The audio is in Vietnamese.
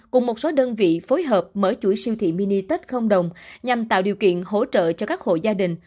cùng một số đơn vị phối hợp mở chuỗi siêu thị mini tết không đồng nhằm tạo điều kiện hỗ trợ cho các hộ gia đình